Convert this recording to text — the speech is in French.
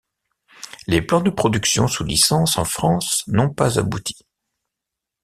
Les plans de production sous licence en France n'ont pas abouti.